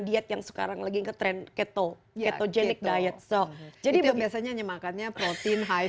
diet yang sekarang lagi ke tren keto ketogenik diet so jadi biasanya nyemakannya protein high